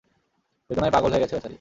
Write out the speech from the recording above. বেদনায় পাগল হয়ে গেছে বেচারি!